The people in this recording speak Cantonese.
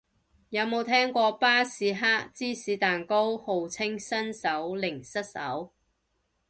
有冇聽過巴斯克芝士蛋糕，號稱新手零失手